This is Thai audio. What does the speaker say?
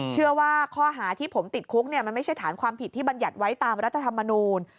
เชื่อว่าข้อหาที่ผมติดคุกมันไม่ใช่ฐานความผิดที่บรรยัติไว้ตามรัฐธรรมนูล